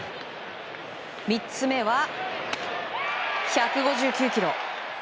３つ目は、１５９キロ。